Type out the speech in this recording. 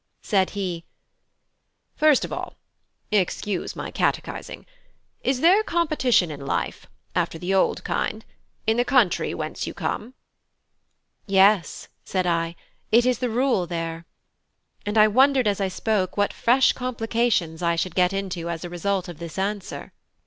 Said he: "First of all (excuse my catechising), is there competition in life, after the old kind, in the country whence you come?" "Yes," said I, "it is the rule there." And I wondered as I spoke what fresh complications I should get into as a result of this answer.